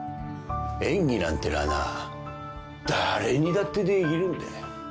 演技なんてのはな誰にだってできるんだよ。